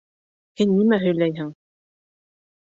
Һин нимә һөйләйһең?